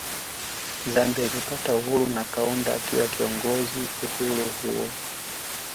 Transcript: Zambia imepata uhuru na Kaunda akiwa kiongozi uhuru huo